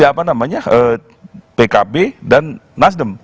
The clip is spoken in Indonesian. apa namanya pkb dan nasdem